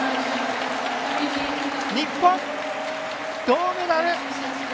日本、銅メダル！